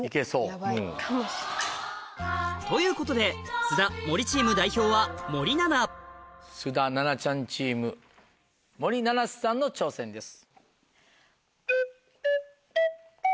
ヤバい。ということで菅田・森チーム代表は菅田・七菜ちゃんチーム森七菜さんの挑戦です。